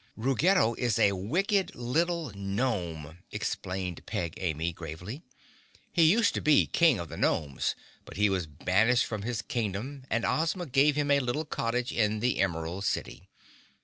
"Ruggedo is a wicked little gnome," explained Peg Amy gravely. "He used to be King of the Gnomes but he was banished from his Kingdom and Ozma gave him a little cottage in the Emerald City.